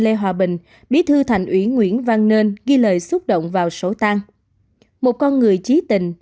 lê hòa bình bí thư thành ủy nguyễn văn nên ghi lời xúc động vào sổ tang một con người trí tình